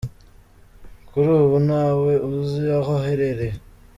Kuri ubu nta we uzi aho aherereye.